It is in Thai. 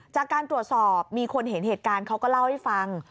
จากการตรวจสอบมีคนเห็นเหตุการณ์เขาก็เล่าให้ฟัง